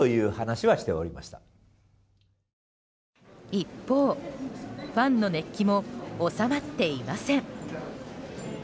一方、ファンの熱気も収まっていません。